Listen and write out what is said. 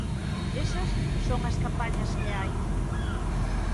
Esas son as campañas que hai.